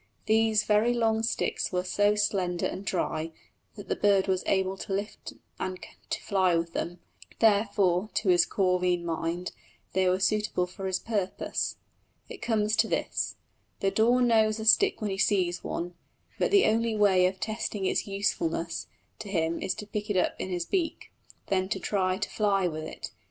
These very long sticks were so slender and dry that the bird was able to lift and to fly with them; therefore, to his corvine mind, they were suitable for his purpose. It comes to this: the daw knows a stick when he sees one, but the only way of testing its usefulness to him is to pick it up in his beak, then to try to fly with it.